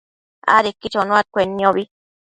adequi chonuaccuenniobi